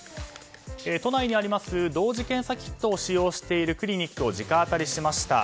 都内にあります同時検査キットを使用しているクリニックを直アタリしました。